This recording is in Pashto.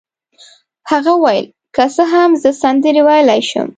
هغه وویل: که څه هم زه سندرې ویلای شم.